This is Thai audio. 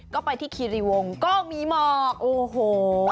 ก็ไปที่คีรีวงก็มีหมอกโอ้โห